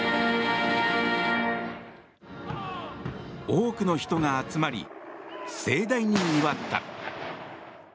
多くの人が集まり盛大に祝った。